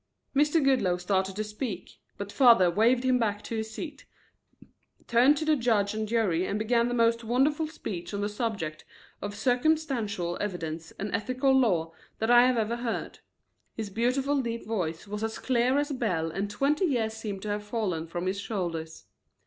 Mr. Goodloe started to speak, but father waved him back to his seat, turned to the judge and jury and began the most wonderful speech on the subject of circumstantial evidence and ethical law that I have ever heard. His beautiful deep voice was as clear as a bell and twenty years seemed to have fallen from his shoulders.